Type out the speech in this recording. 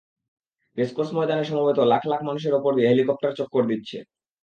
Racecourse ময়দানে সমবেত লাখ লাখ মানুষের ওপর দিয়ে হেলিকপ্টার চক্কর দিচ্ছে।